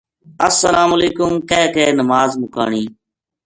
السلام علیکم کہہ کے نماز مکانی